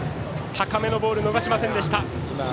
高めのボールを逃しませんでした。